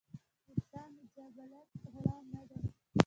انسان د جبلت غلام نۀ دے